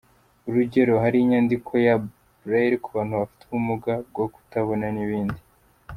Urugero hari inyandiko ya Braille ku bantu bafite ubumuga bwo kutabona n’ibindi.